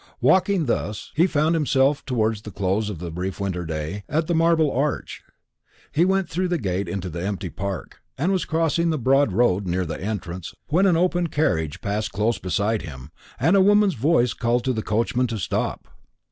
Walking thus, he found himself, towards the close of the brief winter day, at the Marble Arch. He went through the gate into the empty Park, and was crossing the broad road near the entrance, when an open carriage passed close beside him, and a woman's voice called to the coachman to stop.